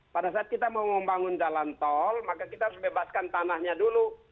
pada saat kita mau membangun jalan tol maka kita harus bebaskan tanahnya dulu